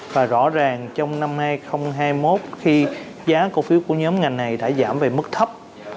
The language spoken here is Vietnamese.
và rõ ràng trong năm hai nghìn hai mươi một khi giá cổ phiếu của nhóm ngành này đã giảm về mức thấp